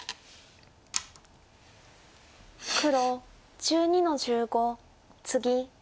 黒１２の十五ツギ。